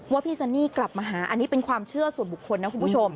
พี่ซันนี่กลับมาหาอันนี้เป็นความเชื่อส่วนบุคคลนะคุณผู้ชม